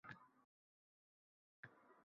Qanaqa qilib sizni boshqasiga alishtiraman.